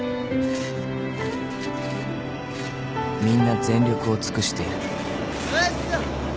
［みんな全力を尽くしている］